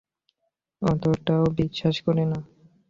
এতটাও বিশ্বাস করি না।